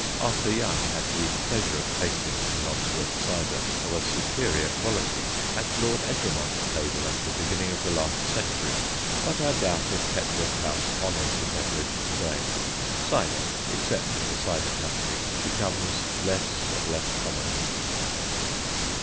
Arthur Young had the pleasure of tasting some Lodsworth cider of a superior quality at Lord Egremont's table at the beginning of the last century, but I doubt if Petworth House honours the beverage to day. Cider, except in the cider country, becomes less and less common.